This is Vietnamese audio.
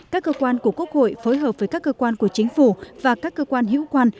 các cơ quan của quốc hội phối hợp với các cơ quan của chính phủ và các cơ quan hữu quan